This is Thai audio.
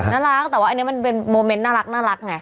น่ารักแต่ว่าอันนี้มันเป็นโมเมนต์น่ารักไง